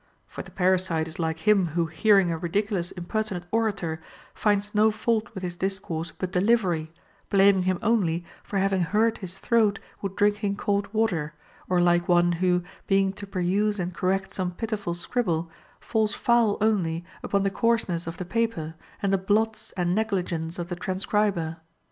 For the parasite is like him who hearing a ridiculous impertinent orator finds no fault with his discourse but delivery, blam ing him only for having hurt his throat with drinking cold water ; or like one who, being to peruse and correct some pitiful scribble, falls foul only upon the coarseness of the paper and the blots and negligence of the transcriber.